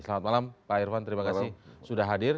selamat malam pak irvan terima kasih sudah hadir